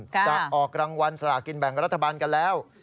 จะออกรางวัลสลากินแบ่งรัฐบาลกันแล้ว